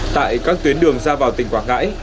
tại các tuyến đường ra vào tỉnh quảng ngãi